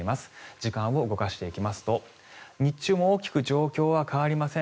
時間を動かしていきますと日中も大きく状況は変わりません。